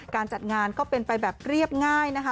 การจัดงานก็เป็นไปแบบเรียบง่ายนะคะ